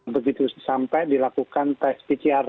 begitu sampai dilakukan tes pcr